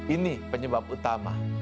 ini penyebab utama